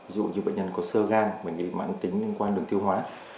ví dụ như bệnh nhân có sơ gan bệnh lý mãn tính liên quan đường tiêu hóa